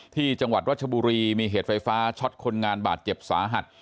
ที่จังหวัดรัชบุรีมีเหตุไฟฟ้าช็อตคนงานบาดเจ็บสาหัส